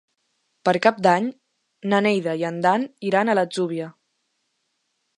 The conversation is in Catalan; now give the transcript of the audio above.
Per Cap d'Any na Neida i en Dan iran a l'Atzúbia.